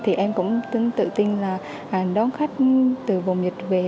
thì em cũng tương tự tin là đón khách từ vùng dịch về